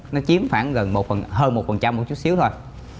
nó chiếm khoảng gần một phần hơn một phần trăm một chút xíu thôi